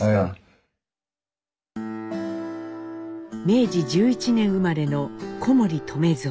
明治１１年生まれの小森留蔵。